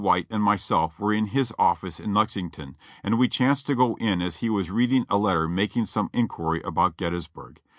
White and myself were in his office in Lexing ton and we chanced to go in as he was reading a letter making some inquiry about Gettysburg.